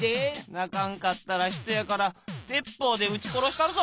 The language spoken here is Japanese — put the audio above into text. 「鳴かんかったら人やから鉄砲でうち殺したるぞ！」。